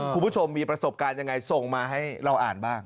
คุณผู้ชมมีประสบการณ์ยังไงส่งมาให้เราอ่านบ้าง